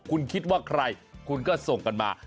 คุณคิดว่าใครคุณก็ส่งกันมา